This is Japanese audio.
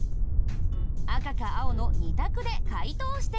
赤か青の２択で解答してください。